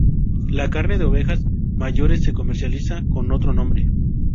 La carne de ovejas mayores se comercializa con otro nombre.